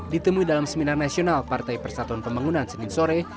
ditemui dalam seminar nasional partai persatuan pembangunan senin sore